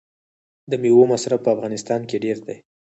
د میوو مصرف په افغانستان کې ډیر دی.